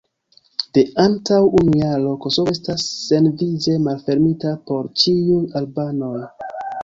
De antaŭ unu jaro, Kosovo estas senvize malfermita por ĉiuj albanoj.